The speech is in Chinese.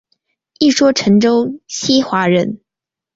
一说陈州西华人。